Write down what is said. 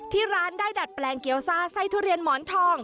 ที่ร้านได้ดัดแปลงเกี๊ยซ่าไส้ทุเรียนหมอนทอง